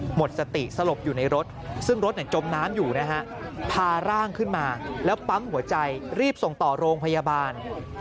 หมดสติสลบอยู่ในรถซึ่งรถจมน้ำอยู่นะฮะพาร่างขึ้นมาแล้วปั๊มหัวใจรีบส่งต่อโรงพยาบาล